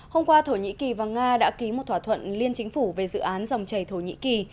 hôm qua thổ nhĩ kỳ và nga đã ký một thỏa thuận liên chính phủ về dự án dòng chảy thổ nhĩ kỳ